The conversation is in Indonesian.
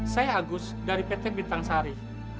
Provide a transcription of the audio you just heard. saya agus dari pt bintang sari